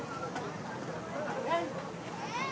โปรดติดตามต่อไป